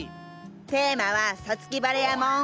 テーマは「五月晴れ」やもん。